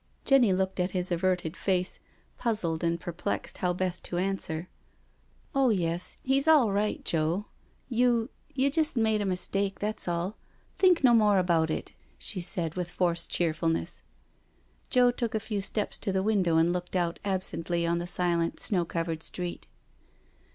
...'^ Jenny looked at his averted face, puzzled and per plexed how best to answer. JOE'S SURRENDER 309 " Oh yes, he's all right, Joe— you— you just made a mistake, that's all — ^think no more about it," she said with forced cheerfulness. Joe took a few steps to the window and looked out absently on the silent, snow covered street.